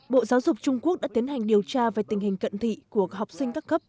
bộ giáo dục trung quốc đã tiến hành điều tra về tình hình cận thị của học sinh các cấp